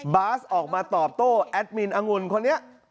บาสออกมาตอบโต้แอดมินองุ่นคนนี้